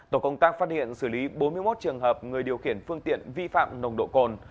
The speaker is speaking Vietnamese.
tổ công tác phát hiện xử lý bốn mươi một trường hợp người điều khiển phương tiện vi phạm nồng độ cồn